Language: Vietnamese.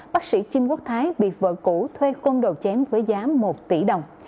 bác sĩ chin quốc thái bị vợ cũ thuê con đồ chém với giá một tỷ đồng